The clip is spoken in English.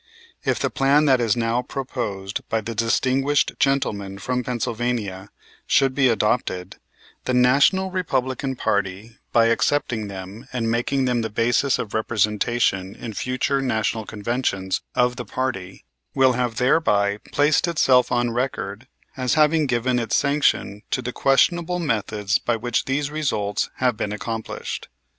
If the plan that is now proposed by the distinguished gentleman from Pennsylvania should be adopted, the National Republican party by accepting them and making them the basis of representation in future National Conventions of the party will have thereby placed itself on record as having given its sanction to the questionable methods by which these results have been accomplished.